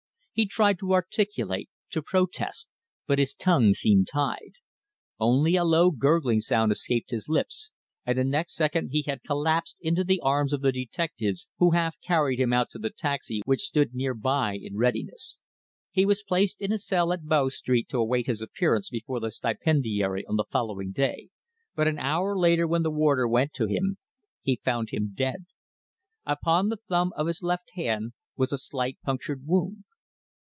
He tried to articulate, to protest, but his tongue seemed tied. Only a low, gurgling sound escaped his lips, and the next second he had collapsed into the arms of the detectives who half carried him out to the taxi which stood near by in readiness. He was placed in a cell at Bow Street to await his appearance before the stipendiary on the following day, but an hour later when the warder went to him he found him dead. Upon the thumb of his left hand was a slight punctured wound.